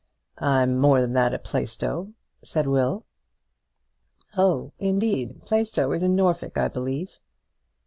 "I'm more than that at Plaistow," said Will. "Oh, indeed. Plaistow is in Norfolk, I believe?"